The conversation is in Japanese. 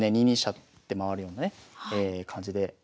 ２二飛車って回るようなね感じで。